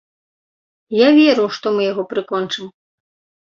Я веру, што мы яго прыкончым.